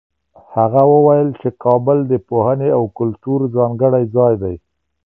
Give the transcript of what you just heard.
هغه وویل چي کابل د پوهنې او کلتور ځانګړی ځای دی.